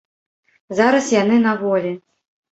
Зараз яны на волі.